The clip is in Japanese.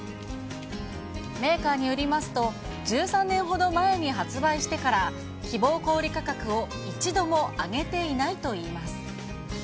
メーカーによりますと、１３年ほど前に発売してから希望小売価格を一度も上げていないといいます。